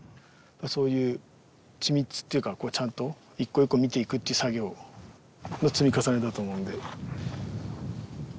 そういう緻密っていうかちゃんと一個一個見ていくっていう作業の積み重ねだと思うんで。